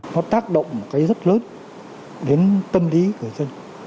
nó tác động một cái rất lớn đến tâm lý người dân